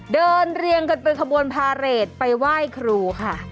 เรียงกันเป็นขบวนพาเรทไปไหว้ครูค่ะ